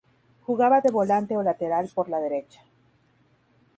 Jugaba de volante o lateral por la derecha.